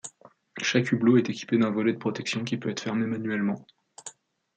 Chaque hublot est équipé d'un volet de protection qui peut être fermé manuellement.